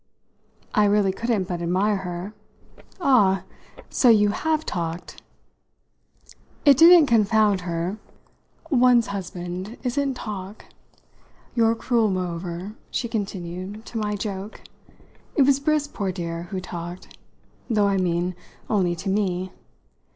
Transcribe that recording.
I really couldn't but admire her. "Ah so you have talked!" It didn't confound her. "One's husband isn't talk. You're cruel moreover," she continued, "to my joke. It was Briss, poor dear, who talked though, I mean, only to me.